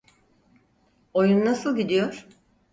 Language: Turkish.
Oyun nasıl gidiyor?